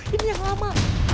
ini yang lama